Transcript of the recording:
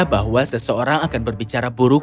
bahwa seseorang akan berbicara buruk